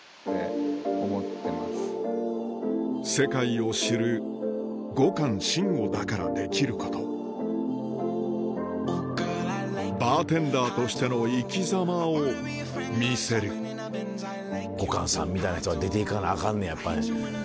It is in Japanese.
世界を知る後閑信吾だからできることバーテンダーとしての生きざまを見せる後閑さんみたいな人が出ていかなアカンねんやっぱ。